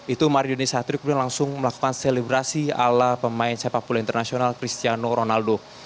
itu mariodi satri kemudian langsung melakukan selebrasi ala pemain sepak bola internasional cristiano ronaldo